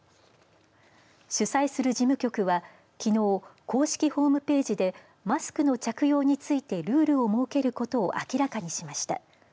主催する事務局はきのう、公式ホームページでマスクの着用についてルールを設けることを明らかにしました。